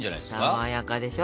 さわやかでしょ。